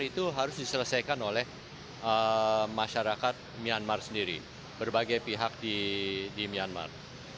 itu harus diselesaikan oleh masyarakat myanmar sendiri berbagai pihak di myanmar